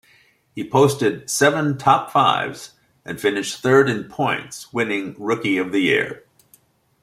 He posted seven top-fives and finished third in points, winning Rookie of the Year.